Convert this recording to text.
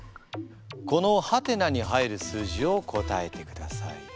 この？に入る数字を答えてください。